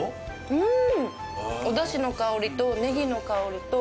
うん。